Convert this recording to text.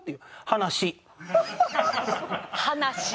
「話」。